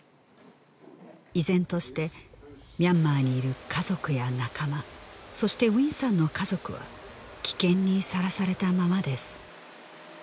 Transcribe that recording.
依然としてミャンマーにいる家族や仲間そしてウィンさんの家族は危険にさらされたままです